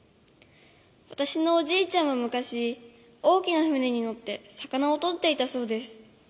わたしのおじいちゃんはむかし、大きな船にのって魚をとっていたそうです。